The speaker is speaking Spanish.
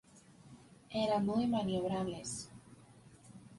Eran muy maniobrables.